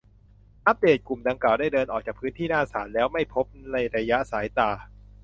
อัปเดต : กลุ่มดังกล่าวได้เดินออกจากพื้นที่หน้าศาลแล้ว ไม่พบในระยะสายตา